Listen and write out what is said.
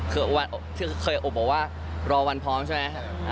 คือเคยอบบอกว่ารอวันพร้อมใช่ไหม